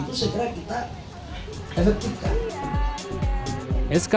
itu segera kita efektifkan